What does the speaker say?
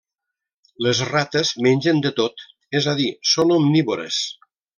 Les rates mengen de tot, és a dir, són omnívores.